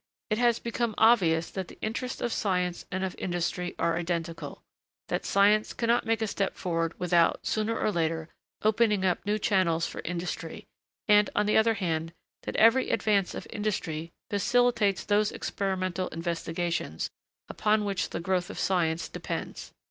It has become obvious that the interests of science and of industry are identical, that science cannot make a step forward without, sooner or later, opening up new channels for industry, and, on the other hand, that every advance of industry facilitates those experimental investigations, upon which the growth of science depends.